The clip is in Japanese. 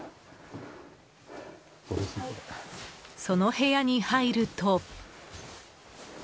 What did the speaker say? その部屋に入ると。